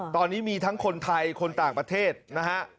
ตอนนี้มีทั้งคนไทยคนต่างประเทศนะฮะ